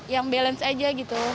yang balance aja gitu